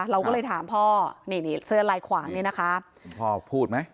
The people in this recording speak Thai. เราก็เลยถามพ่อนี่นี่เสื้อลายขวางนี่นะคะคุณพ่อพูดไหม